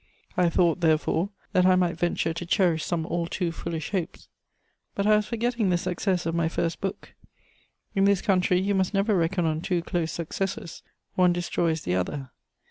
I thought, therefore, that I might venture to cherish some all too foolish hopes; but I was forgetting the success of my first book: in this country you must never reckon on two close successes; one destroys the other.